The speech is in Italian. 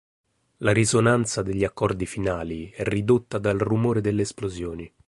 La risonanza degli accordi finali è ridotta dal rumore delle esplosioni.